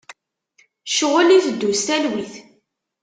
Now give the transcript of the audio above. Ccɣel iteddu s talwit.